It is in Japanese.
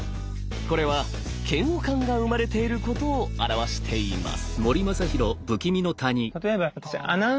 これは嫌悪感が生まれていることを表しています。